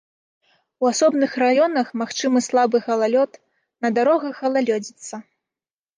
У асобных раёнах магчымы слабы галалёд, на дарогах галалёдзіца.